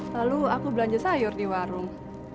lalu aku belanja sayur di warung